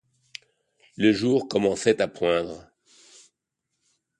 Le jour commençait à poindre.